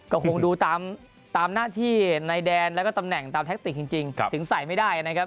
ก็คงดูตามหน้าที่ในแดนแล้วก็ตำแหน่งตามแท็กติกจริงถึงใส่ไม่ได้นะครับ